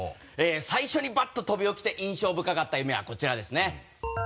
最初にバッと飛び起きて印象深かった夢はこちらですね。